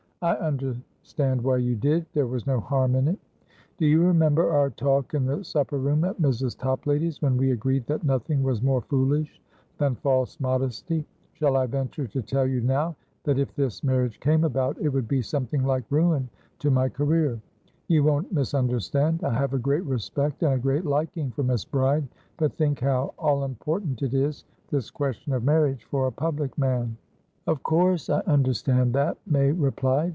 "I understand why you did. There was no harm in it." "Do you remember our talk in the supper room at Mrs. Toplady's?when we agreed that nothing was more foolish than false modesty. Shall I venture to tell you, now, that, if this marriage came about, it would be something like ruin to my career? You won't misunderstand. I have a great respect, and a great liking, for Miss Bride; but think how all important it is, this question of marriage for a public man." "Of course I understand that," May replied.